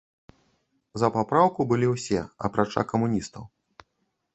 За папраўку былі ўсе, апрача камуністаў.